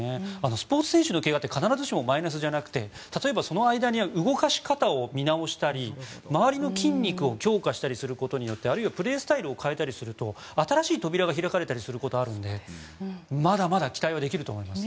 スポーツ選手の怪我って必ずしもマイナスじゃなくて例えば、その間に動かし方を見直したり周りの筋肉を強化したりすることによってあるいはプレースタイルを変えたりすると新しい扉が開かれたりすることもあるのでまだまだ期待はできると思います。